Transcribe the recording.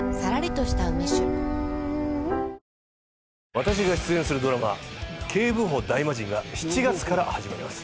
私が出演するドラマ『警部補ダイマジン』が７月から始まります。